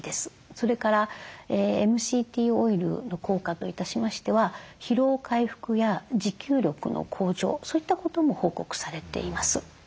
それからＭＣＴオイルの効果といたしましては疲労回復や持久力の向上そういったことも報告されています。